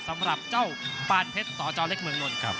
สำหรับเจ้าปานเพชรสเจ้าเล็กเมืองนท์ครับ